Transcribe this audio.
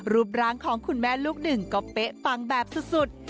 รูปร่างของคุณแม่ลูกหนึ่งก็เป๊ะปังแบบสุด